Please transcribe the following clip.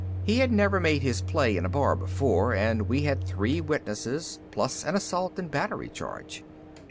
He had never made his play in a bar before, and we had three witnesses, plus an assault and battery charge.